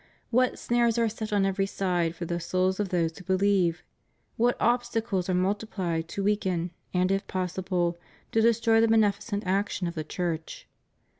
What snares are set on every side for the souls of those who believe! What obstacles are multiplied to weaken, and if possible to destroy the beneficent action of the Church!